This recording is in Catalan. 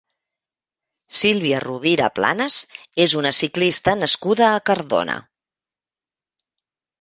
Sílvia Rovira Planas és una ciclista nascuda a Cardona.